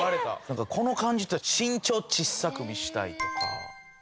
この感じだと身長小っさく見せたいとか？